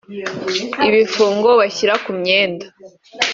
ibifungo bashyira ku myenda